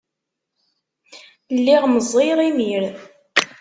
Lliɣ meẓẓiyeɣ imir.